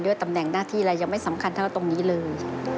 ตำแหน่งหน้าที่อะไรยังไม่สำคัญเท่าตรงนี้เลย